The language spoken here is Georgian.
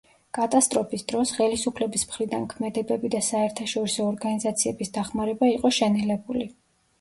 კატასტროფის დროს, ხელისუფლების მხრიდან ქმედებები და საერთაშორისო ორგანიზაციების დახმარება იყო შენელებული.